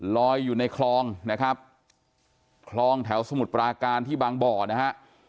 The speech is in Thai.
ลอยอยู่ในคลองนะครับคลองแถวสมุทรปราการที่บางบ่อนะฮะ